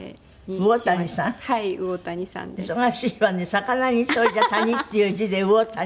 「魚」にそれじゃ「谷」っていう字で魚谷？